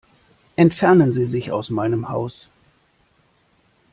Entfernen Sie sich aus meinem Haus.